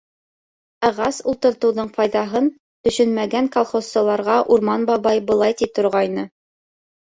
Ағас ултыртыуҙың файҙаһын төшөнмәгән колхозсыларға Урман бабай былай ти торғайны: